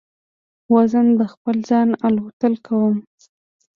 وزم د خپل ځانه الوتل کوم